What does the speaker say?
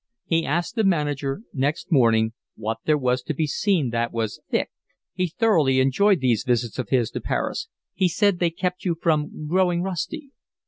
He asked the manager next morning what there was to be seen that was 'thick.' He thoroughly enjoyed these visits of his to Paris; he said they kept you from growing rusty.